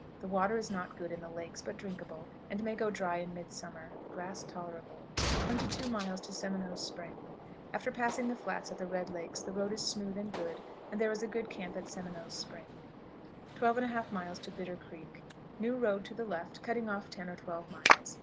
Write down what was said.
The water is not good in the lakes, but drinkable, and may go dry in midsummer. Grass tolerable. 22. Seminoes Spring. After passing the flats at the Red Lakes the road is smooth and good, and there is a good camp at Seminoes Spring. 12 1/2. Bitter Creek. New road to the left, cutting off ten or twelve miles.